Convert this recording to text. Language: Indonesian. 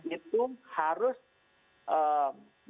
itu harus mencukupi